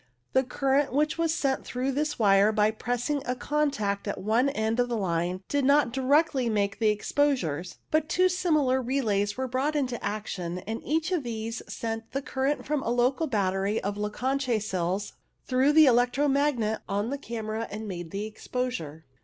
The current which was sent through this wire by pressing a contact at one end of the line did not directly make the exposures ; but two similar relays were brought into action, and each of these sent the current from a local battery of Leclanch6 cells through the electro magnet on the camera and made the exposure.